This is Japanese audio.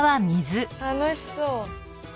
楽しそう。